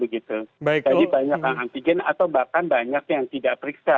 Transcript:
jadi banyak antigen atau bahkan banyak yang tidak periksa